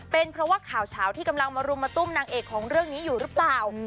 เป็นเพราะว่าข่าวเฉาที่กำลังมารุมมาตุ้มนางเอกของเรื่องนี้อยู่หรือเปล่า